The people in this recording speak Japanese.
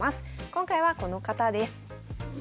今回はこの方です。